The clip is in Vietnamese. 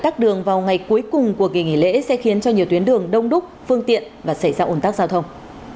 tắc đường vào ngày cuối cùng của kỳ nghỉ lễ sẽ khiến cho nhiều tuyến đường đông đúc phương tiện và xảy ra ủn tắc giao thông